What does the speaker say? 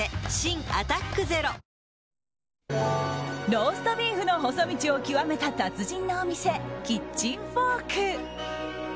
ローストビーフの細道を極めた達人のお店キッチンフォーク。